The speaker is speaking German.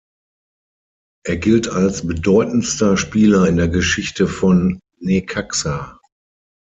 Er gilt als bedeutendster Spieler in der Geschichte von Necaxa.